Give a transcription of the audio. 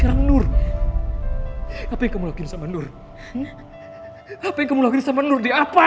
apa yang kamu lakuin sama nur d apa